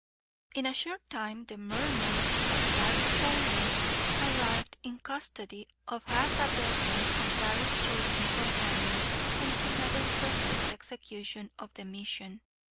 In a short time the "murners," as Larry called them, arrived in custody of half a dozen of Larry's chosen companions, to whom he had entrusted the execution of the mission.